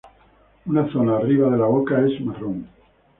Una zona arriba de la boca es marrón.